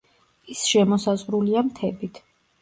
ის შემოსაზღვრულია მთებით.